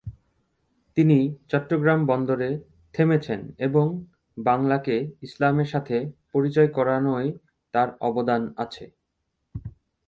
তিনি চট্টগ্রাম বন্দরে থেমেছেন এরং বাংলাকে ইসলামের সাথে পরিচয় করানোয় তার অবদান আছে।